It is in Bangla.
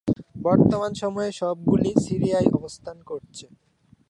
বর্তমান সময়ে সবগুলি সিরিয়ায় অবস্থান করছে।